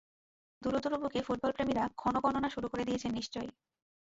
দুরু দুরু বুকে ফুটবলপ্রেমীরা ক্ষণগণনা শুরু করে দিয়েছেন নিশ্চয়ই।